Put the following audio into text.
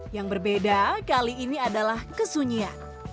yang berbeda kali ini adalah kesunyian